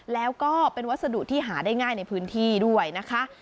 แล้วก็เป็นวัสดุที่หาได้ง่ายในพื้นที่ด้วยนะคะ